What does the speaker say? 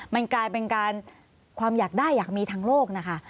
มันกลายเป็นการความอยากได้อยากมีทางโลกนะคะ